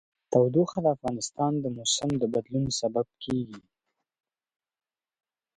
تودوخه د افغانستان د موسم د بدلون سبب کېږي.